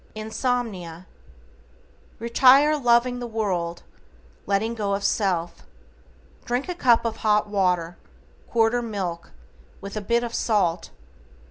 =INSOMNIA:= Retire loving the world, letting go of self. Drink a cup of hot water, quarter milk, with a bit of salt.